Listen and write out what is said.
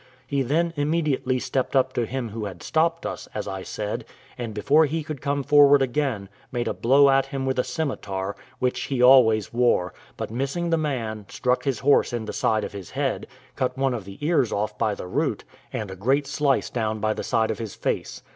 He then immediately stepped up to him who had stopped us, as I said, and before he could come forward again, made a blow at him with a scimitar, which he always wore, but missing the man, struck his horse in the side of his head, cut one of the ears off by the root, and a great slice down by the side of his face.